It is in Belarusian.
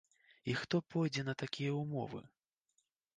І хто пойдзе на такія ўмовы?